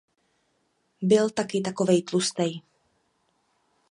Byl taky takovej tlustej.